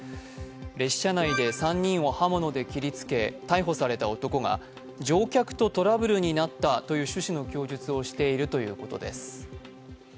列車内で３人を刃物で切りつけ逮捕された男が乗客とトラブルになったという趣旨の供述をしているということです。